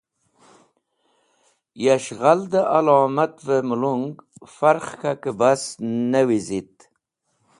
Yas̃h ghal dẽ alomatvẽ mẽlung farkhẽ bas ne wizit.